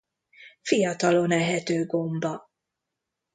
Fiatalon ehető gomba.